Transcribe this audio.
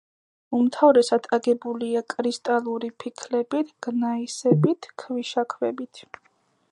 უმთავრესად აგებულია კრისტალური ფიქლებით, გნაისებით, ქვიშაქვებით.